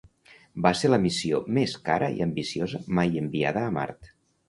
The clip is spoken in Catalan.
Va ser la missió més cara i ambiciosa mai enviada a Mart.